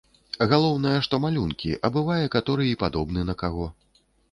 Галоўнае, што малюнкі, а бывае каторы й падобны на каго.